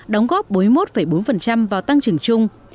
đóng góp bốn mươi một bốn vào tăng trưởng chung